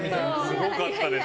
すごかったです。